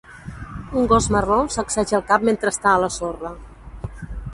Un gos marró sacseja el cap mentre està a la sorra.